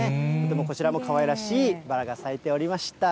こちらもかわいらしいバラが咲いておりました。